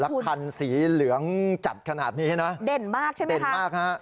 แล้วคันสีเหลืองจัดขนาดนี้นะเด่นมากใช่ไหมเด่นมากฮะ